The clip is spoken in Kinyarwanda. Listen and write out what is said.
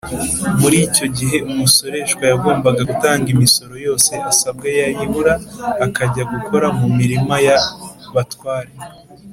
Muri icyo gihe umusoreshwa yagomba gutanga imisoro yose asabwa yayibura akajya gukora mu mirima ya abatware